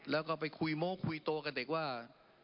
แล้วก็ไปคุยโม้คุยโตกับเด็กว่า